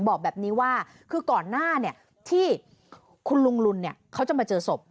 บอกแบบนี้ว่าคือก่อนหน้าที่คุณลุงลุนเขาจะมาเจอศพ